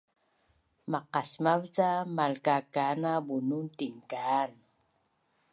Maqasmav ca malkakaana bunun tinkaan